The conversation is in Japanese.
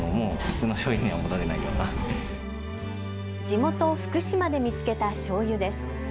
地元福島で見つけたしょうゆです。